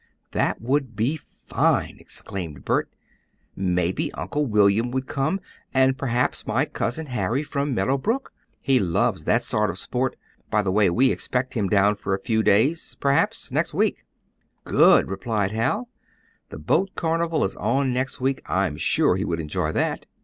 "That would be fine!" exclaimed Bert. "Maybe Uncle William would come, and perhaps my Cousin Harry, from Meadow Brook. He loves that sort of sport. By the way, we expect him down for a few days; perhaps next week." "Good!" cried Hal. "The boat carnival is on next week. I'm sure he would enjoy that."